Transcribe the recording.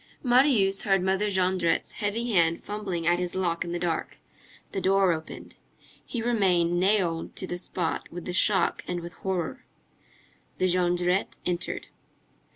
Marius heard Mother Jondrette's heavy hand fumbling at his lock in the dark. The door opened. He remained nailed to the spot with the shock and with horror. The Jondrette entered.